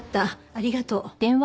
ありがとう。